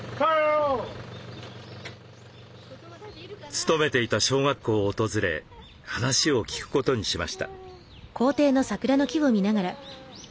勤めていた小学校を訪れ話を聞くことにしました。